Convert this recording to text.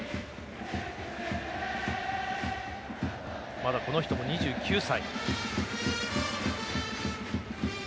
まだ、この人も２９歳。